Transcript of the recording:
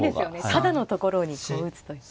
タダのところに打つといった。